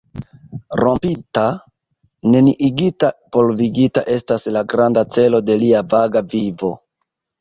Rompita, neniigita, polvigita estas la granda celo de lia vaga vivo.